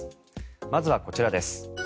まずはこちらです。